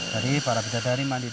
tadi para bidadari mandi disini